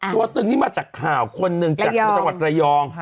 ตัวตึงนี้มาจากข่าวคนหนึ่งจากรายอง